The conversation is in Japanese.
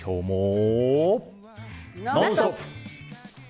「ノンストップ！」。